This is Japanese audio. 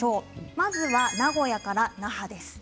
まずは名古屋から那覇です。